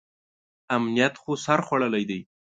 امنیت خو سر خوړلی دی.